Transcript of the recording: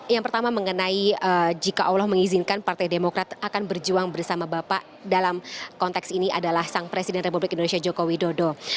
yang pertama mengenai jika allah mengizinkan partai demokrat akan berjuang bersama bapak dalam konteks ini adalah sang presiden republik indonesia joko widodo